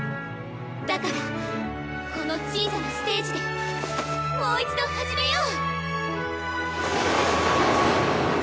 だからこの小さなステージでもう一度始めよう。